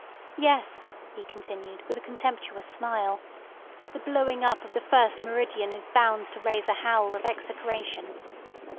"Yes," he continued, with a contemptuous smile, "the blowing up of the first meridian is bound to raise a howl of execration."